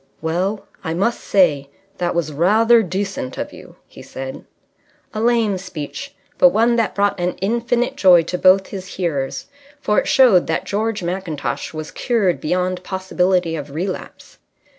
"Well, I must say that was rather decent of you," he said. A lame speech, but one that brought an infinite joy to both his hearers. For it showed that George Mackintosh was cured beyond possibility of relapse.